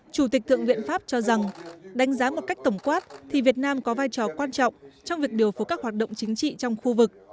chủ tịch thượng viện pháp cho rằng đánh giá một cách tổng quát thì việt nam có vai trò quan trọng trong việc điều phối các hoạt động chính trị trong khu vực